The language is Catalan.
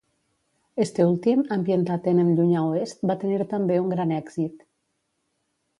Este últim, ambientat en el Llunyà Oest, va tenir també un gran èxit.